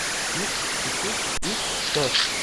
Bir, iki, üç, dört.